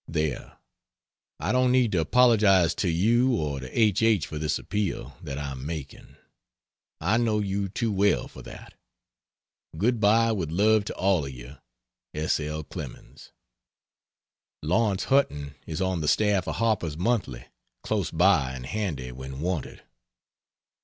638 There I don't need to apologize to you or to H. H. for this appeal that I am making; I know you too well for that. Good bye with love to all of you S. L. CLEMENS. Laurence Hutton is on the staff of Harper's Monthly close by, and handy when wanted.